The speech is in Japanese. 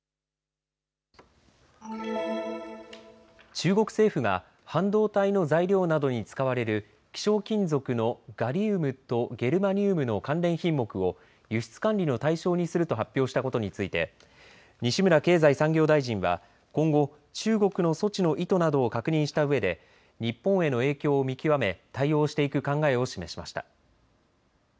中国政府が半導体の材料などに使われる希少金属のガリウムとゲルマニウムの関連品目を輸出管理の対象にすると発表したことについて西村経済産業大臣は今後、中国の措置の意図などを確認したうえで日本への影響を見極め対応していく考えを示しました。